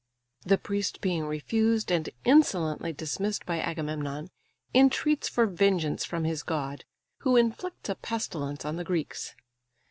The priest being refused, and insolently dismissed by Agamemnon, entreats for vengeance from his god; who inflicts a pestilence on the Greeks.